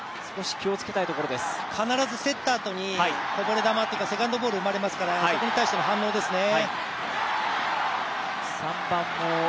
必ず競ったあとにセカンドボール生まれますからそこに対しての反応ですね。